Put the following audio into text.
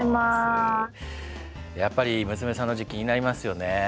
やっぱり娘さんの字気になりますよね。